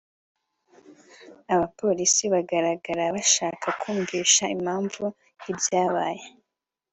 Abapolisi bagaragara bashaka kumwumvisha impamvu y’ibyabaye